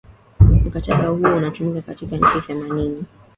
mkataba huo unatumika katika nchi themanini